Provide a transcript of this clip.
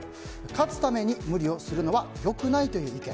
勝つために無理をするのは良くないという意見。